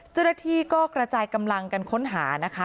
เจ้าหน้าที่ก็กระจายกำลังกันค้นหานะคะ